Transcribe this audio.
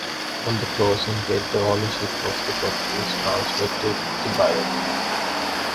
On the closing date, the ownership of the property is transferred to the buyer.